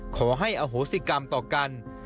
ขอให้อโหสิกรรมต่อกัน